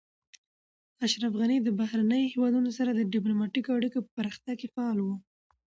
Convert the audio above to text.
اشرف غني د بهرنیو هیوادونو سره د ډیپلوماتیکو اړیکو په پراختیا کې فعال و.